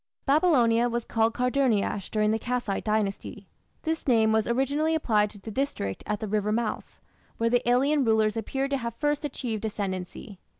Babylonia was called Karduniash during the Kassite Dynasty. This name was originally applied to the district at the river mouths, where the alien rulers appear to have first achieved ascendancy.